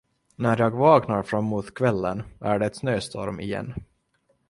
När jag vaknar fram mot kvällen är det snöstorm igen.